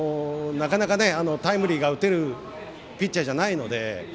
なかなか、タイムリーが打てるピッチャーじゃないので。